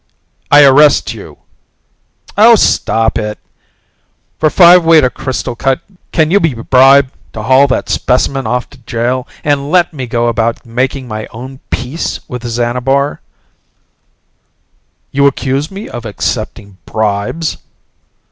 "I arrest you " "Oh, stop it. For fiveweight of crystal cut can you be bribed to haul that specimen off to jail and let me go about making my own Peace with Xanabar?" "You accuse me of accepting bribes?"